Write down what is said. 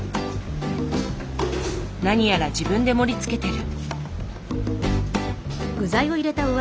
何やら自分で盛りつけてる。